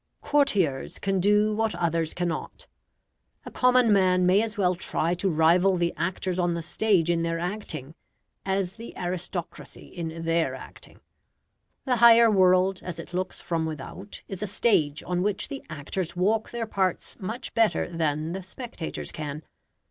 Courtiers can do what others cannot. A common man may as well try to rival the actors on the stage in their acting, as the aristocracy in THEIR acting. The higher world, as it looks from without, is a stage on which the actors walk their parts much better than the spectators can.